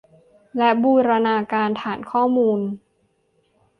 และบูรณาการฐานข้อมูล